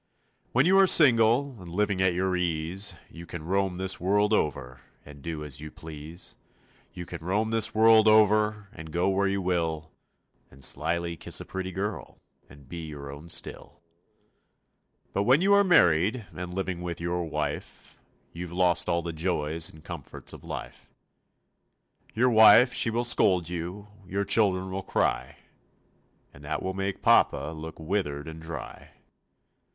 When you are single And living at your ease You can roam this world over And do as you please; You can roam this world over And go where you will And slyly kiss a pretty girl And be your own still. But when you are married And living with your wife, You've lost all the joys And comforts of life. Your wife she will scold you, Your children will cry, And that will make papa Look withered and dry.